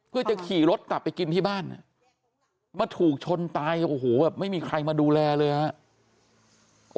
เพื่อจะขี่รถกลับไปกินที่บ้านมาถูกชนตายโอ้โหแบบไม่มีใครมาดูแลเลยฮะ